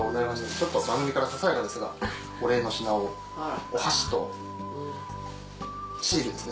ちょっと番組からささやかですがお礼の品をお箸とシールですね。